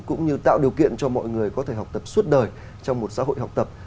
cũng như tạo điều kiện cho mọi người có thể học tập suốt đời trong một xã hội học tập